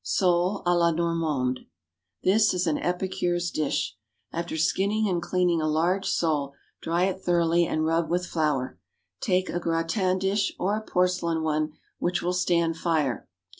=Sole à la Normande.= This is an epicure's dish. After skinning and cleaning a large sole, dry it thoroughly and rub with flour. Take a gratin dish, or a porcelain one which will stand fire.